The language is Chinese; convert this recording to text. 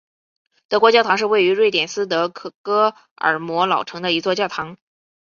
德国教堂是位于瑞典斯德哥尔摩老城的一座教堂。